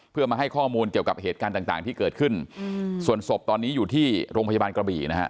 เพื่อมาให้ข้อมูลเกี่ยวกับเหตุการณ์ต่างที่เกิดขึ้นส่วนศพตอนนี้อยู่ที่โรงพยาบาลกระบี่นะฮะ